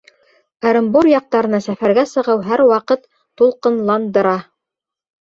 Ырымбур яҡтарына сәфәргә сығыу һәр ваҡыт тулҡынландыра.